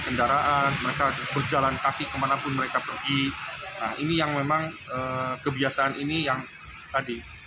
kendaraan mereka berjalan kaki kemanapun mereka pergi nah ini yang memang kebiasaan ini yang tadi